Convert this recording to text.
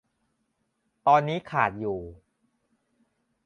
ตอนนี้ขาดอยู่